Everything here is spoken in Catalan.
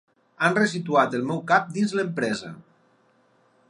Han ressituat el meu cap dins l'empresa.